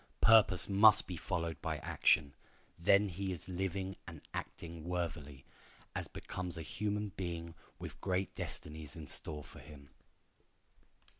Purpose must be followed by action. Then is he living and acting worthily, as becomes a human being with great destinies in store for him.